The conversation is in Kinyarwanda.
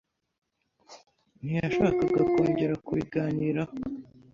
ntiyashakaga kongera kubiganiraho.